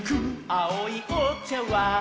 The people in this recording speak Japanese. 「あおいおちゃわん」